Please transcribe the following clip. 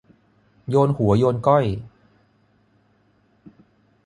โยนหัวโยนก้อย